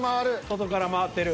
外から回ってる。